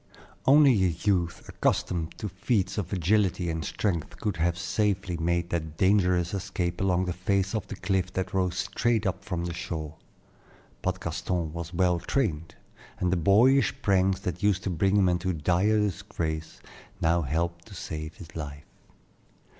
Only a youth accustomed to feats of agility and strength could have safely made that dangerous escape along the face of the cliff that rose straight up from the shore. But Gaston was well trained, and the boyish pranks that used to bring him into dire disgrace now helped to save his life.